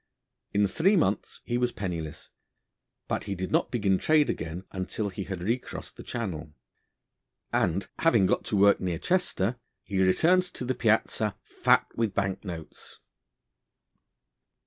In three months he was penniless, but he did not begin trade again until he had recrossed the Channel, and, having got to work near Chester, he returned to the Piazza fat with bank notes.